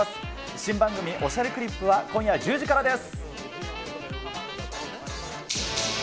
新番組、おしゃれクリップは今夜１０時からです。